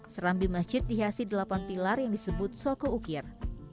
serambi masjid dihiasi delapan pilar yang disebut soko ukir